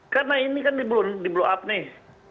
karena ini kan di blow up nih